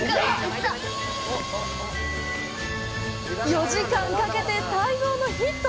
４時間かけて、待望のヒット！